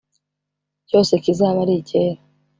cyose kizabe ari icyera